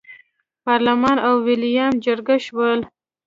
پارلمان او ویلیم جرګه شول.